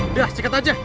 udah sikat aja